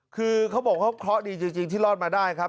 คือเขาบอกว่าเคราะห์ดีจริงที่รอดมาได้ครับ